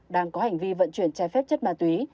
đang có hành vi vận chuyển trái phép chất ma túy